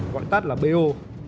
gọi tắt là b o